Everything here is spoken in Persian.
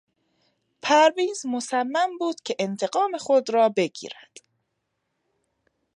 پرویز مصمم بود که انتقام خود را بگیرد.